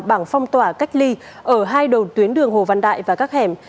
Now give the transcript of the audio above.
bảng phong tỏa cách ly ở hai đầu tuyến đường hồ văn đại và các hẻm